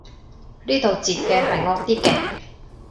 呢度截嘅係惡啲嘅